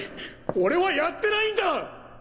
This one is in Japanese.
俺はやってないんだ！！